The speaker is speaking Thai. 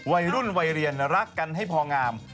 วัยรุ่นวัยเรียนรักกันให้พองาม